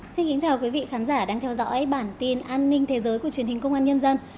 xin kính chào quý vị khán giả đang theo dõi bản tin an ninh thế giới của truyền hình công an nhân dân